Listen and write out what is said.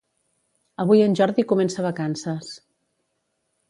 Avui en Jordi comença vacances